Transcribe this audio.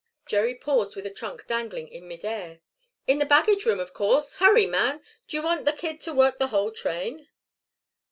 Jerry paused with a trunk dangling in mid air. "In the baggage room, of course. Hurry, man. Do you want the kid to work the whole train?"